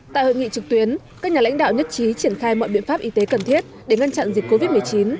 tại hội nghị trực tuyến các nhà lãnh đạo nhất trí triển khai mọi biện pháp y tế cần thiết để ngăn chặn dịch covid một mươi chín